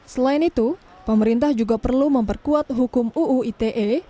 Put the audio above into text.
selain itu pemerintah juga perlu memperkuat hukum uu ite